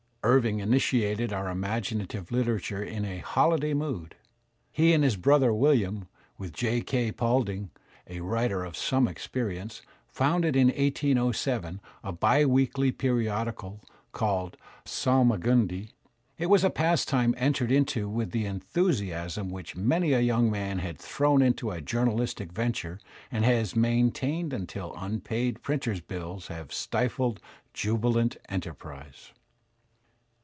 Irving initiated our imaginative literature in a hoUday mood. He and his brother William, with J. K. Paulding, a writer of some experience^ founded in 1807 a biweekly periodical called Salnuigundi. It was a pastime entered into with the enthusiasm which many a young man has thrown into a journalistic venture and has maintained until unpaid printers^ bills have stifled jubilant enterprise.